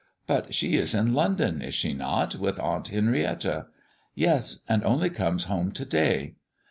"But she is in London, is she not, with Aunt Henrietta?" "Yes, and only comes home to day."